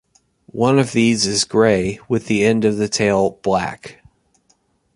One of these is gray, with the end of the tail black.